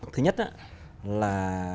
thứ nhất là